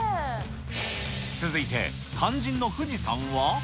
続いて肝心の富士山は。